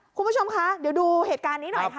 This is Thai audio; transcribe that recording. คุณผู้ชมคะเดี๋ยวดูเหตุการณ์นี้หน่อยค่ะ